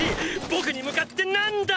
僕に向かって何だ！！